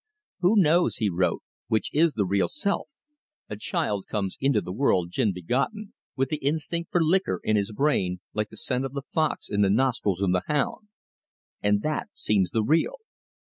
"Who knows," he wrote, "which is the real self? A child comes into the world gin begotten, with the instinct for liquor in his brain, like the scent of the fox in the nostrils of the hound. And that seems the real.